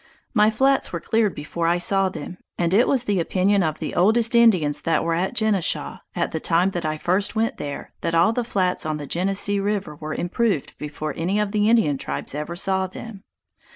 My flats were cleared before I saw them; and it was the opinion of the oldest Indians that were at Genishau, at the time that I first went there, that all the flats on the Genesee river were improved before any of the Indian tribes ever saw them.